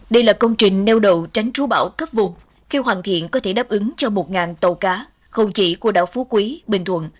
đây là công trình neo đậu tránh trú bão cấp một khi hoàn thiện có thể đáp ứng cho một tàu cá không chỉ của đảo phú quý bình thuận